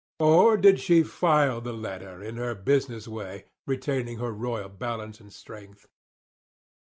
Or did she file the letter, in her business way, retaining her royal balance and strength?